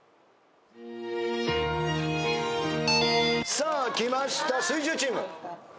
さあきました水１０チーム。